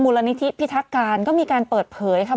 ละนิธิพิทักการก็มีการเปิดเผยค่ะ